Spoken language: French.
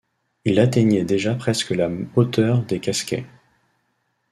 Il atteignait déjà presque la hauteur des Casquets.